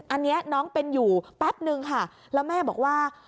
อันนี้น้องเป็นอยู่แป๊บนึงค่ะแล้วแม่บอกว่า